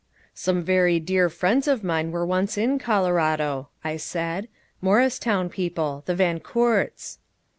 "Some very dear friends of mine were once in Colorado," I said. "Morristown people the Van Coorts."